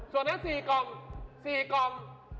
ส่วนนั้น๔กรัม